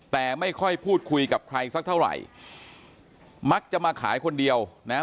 แต่ไม่ค่อยพูดคุยกับใครสักเท่าไหร่มักจะมาขายคนเดียวนะฮะ